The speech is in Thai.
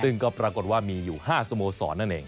ซึ่งก็ปรากฏว่ามีอยู่๕สโมสรนั่นเอง